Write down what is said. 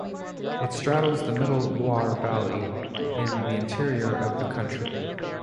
It straddles the middle Loire Valley in the interior of the country.